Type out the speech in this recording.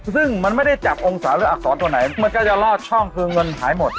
ซึ่งมันไม่ได้จับองศาหรืออักษรตัวไหนมันก็จะรอดช่องคือเงินหายหมด